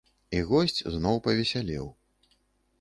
І госць зноў павесялеў.